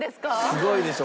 すごいでしょ。